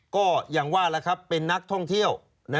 ก็อย่างว่าแล้วครับเป็นนักท่องเที่ยว